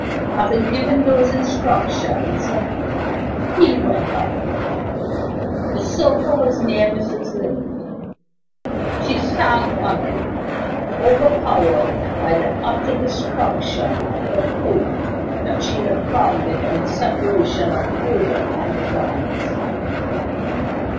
Having given those instructions he went out. The sofa was near Mrs. Linley. She sank on it, overpowered by the utter destruction of the hopes that she had founded on the separation of Herbert and the governess.